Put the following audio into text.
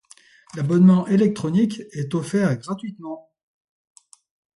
L’abonnement électronique est offert gratuitement.